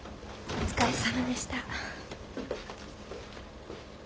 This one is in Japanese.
お疲れさまでした。